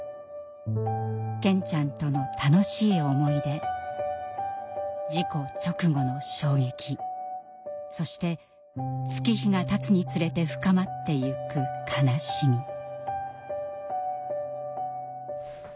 健ちゃんとの楽しい思い出事故直後の衝撃そして月日がたつにつれて深まっていく悲しみ。